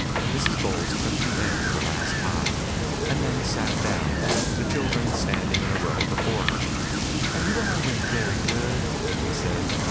Mrs. Bowles crimped the edge of her last pie, and then sat down, the children standing in a row before her. "Have you all been very good?" she said.